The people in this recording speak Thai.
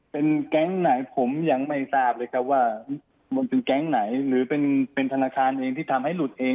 เป็นแก๊งไหนผมยังไม่ทราบเลยครับว่ามันเป็นแก๊งไหนหรือเป็นธนาคารเองที่ทำให้หลุดเอง